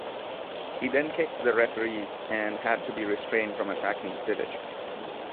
He then kicked the referee and had to be restrained from attacking Zivic.